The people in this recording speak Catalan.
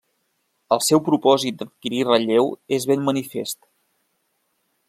El seu propòsit d'adquirir relleu és ben manifest.